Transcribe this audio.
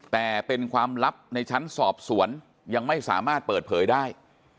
แต่เป็นความลับในชั้นสอบสวนยังไม่สามารถเปิดเผยได้